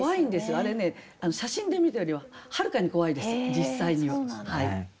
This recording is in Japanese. あれね写真で見てるよりははるかに怖いです